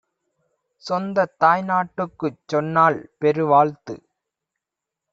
சொந்தத் தாய்நாட்டுக்குச் சொன்னாள் பெருவாழ்த்து.